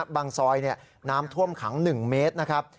บางซอยน้ำท่วมขัง๑เมตรนะครับ